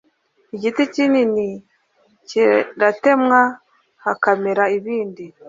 igiti kinini kiratemwa hakamera ibindi